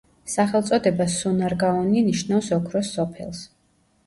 სახელწოდება სონარგაონი ნიშნავს ოქროს სოფელს.